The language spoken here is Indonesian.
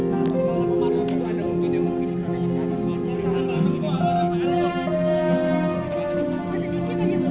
bu keras apakah berkenal dengan nama yang alam bu